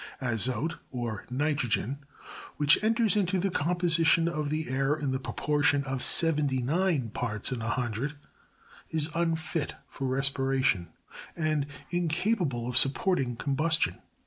24. Azote, or JSitrogcn, which enters into the composition ol the air in the proportion of 79 parts in a 100, is unfit for respira tion, and incapable of supporting combustion.